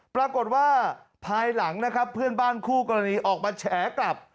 ปรากฏว่าภายหลังนะครับเพื่อนบ้านคู่กรณีออกมาแฉกลับ